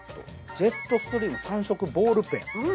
ジェットストリーム３色ボールペン。